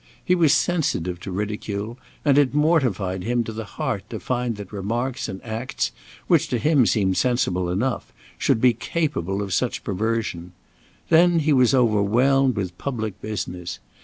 He was sensitive to ridicule, and it mortified him to the heart to find that remarks and acts, which to him seemed sensible enough, should be capable of such perversion. Then he was overwhelmed with public business.